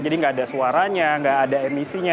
jadi nggak ada suaranya nggak ada emisinya